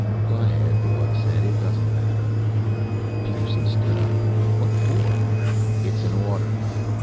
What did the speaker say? "Go ahead," the wub said. "It doesn't matter." Peterson stood up. "What for?" "It's an order."